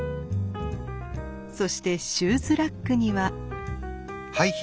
そしてシューズラックには。